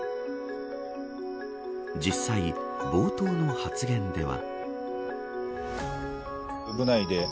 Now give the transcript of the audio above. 実際、冒頭の発言では。